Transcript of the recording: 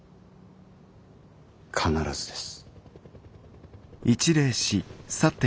必ずです。